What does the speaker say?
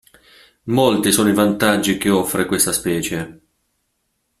Molti sono i vantaggi che offre questa specie.